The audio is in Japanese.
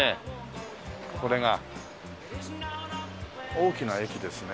大きな駅ですね。